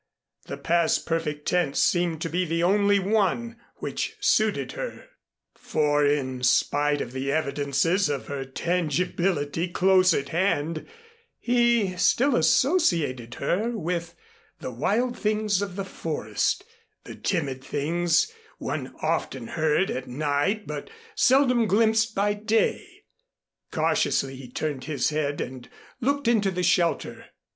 The past perfect tense seemed to be the only one which suited her, for in spite of the evidences of her tangibility close at hand, he still associated her with the wild things of the forest, the timid things one often heard at night but seldom glimpsed by day. Cautiously he turned his head and looked into the shelter.